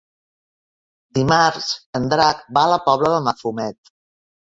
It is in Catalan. Dimarts en Drac va a la Pobla de Mafumet.